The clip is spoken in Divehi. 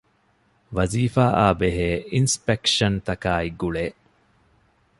ވަޒީފާއާބެހޭ އިންސްޕެކްޝަންތަކާއި ގުޅޭ